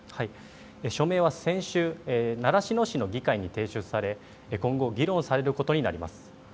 署名は先週、習志野市の議会に提出され今後、議論されることになります。